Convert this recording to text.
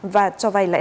và cho vay lãi nặng